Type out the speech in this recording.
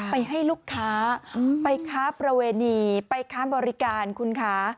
ไปให้ลูกค้าไปค้าประเวณีไปค้าบริการคุณคะ